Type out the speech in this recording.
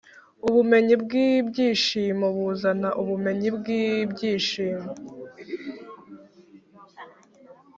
ubumenyi bwibyishimo buzana ubumenyi bwibyishimo.